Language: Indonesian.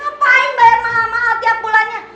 ngapain bayar mahal mahal tiap bulannya